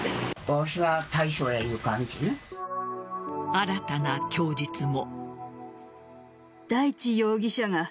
新たな供述も。